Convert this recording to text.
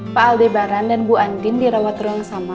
pak aldebaran dan bu andin dirawat ruang sama